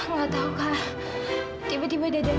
gak tau kak tiba tiba dia jatuh